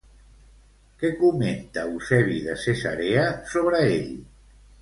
Què comenta Eusebi de Cesarea sobre ell?